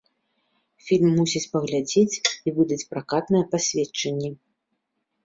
Фільм мусяць прагледзець і выдаць пракатнае пасведчанне.